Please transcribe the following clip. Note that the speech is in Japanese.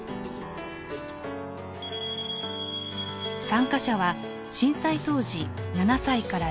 参加者は震災当時７歳から１５歳。